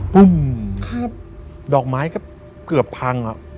พุ่มฝาดออกไม้ก็เกือบพัง